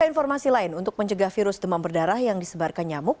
informasi lain untuk mencegah virus demam berdarah yang disebarkan nyamuk